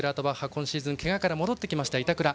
今シーズンけがから戻ってきました。